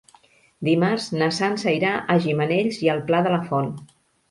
Dimarts na Sança irà a Gimenells i el Pla de la Font.